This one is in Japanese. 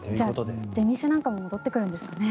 じゃあ、出店なんかも戻ってくるんですかね。